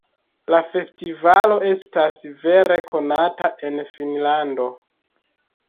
La festivalo estas vere konata en Finnlando.